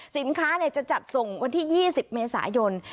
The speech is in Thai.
สินค้าจะจัดส่งวันที่๒๐เมษายน